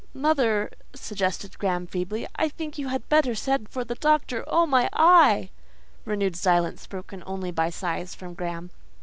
"Mother," suggested Graham, feebly, "I think you had better send for the doctor. Oh my eye!" (renewed silence, broken only by sighs from Graham.)